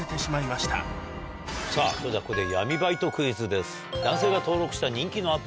それではここで。